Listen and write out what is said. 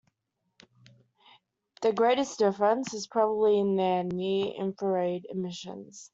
Their greatest difference is probably in their near infrared emissions.